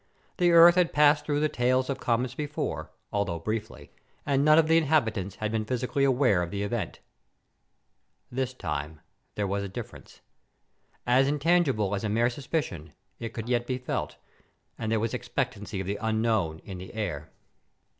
The Earth had passed through the tails of comets before, although briefly, and none of the inhabitants had been physically aware of the event. This time there was a difference. As intangible as a mere suspicion, it could yet be felt, and there was the expectancy of the unknown in the air.